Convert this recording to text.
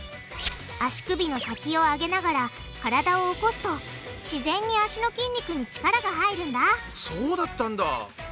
足首の先を上げながら体を起こすと自然に脚の筋肉に力が入るんだそうだったんだ！